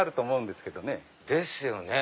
ですよね